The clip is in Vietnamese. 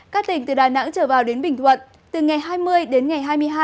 các tỉnh từ đà nẵng trở vào đến bình thuận từ ngày hai mươi đến ngày hai mươi hai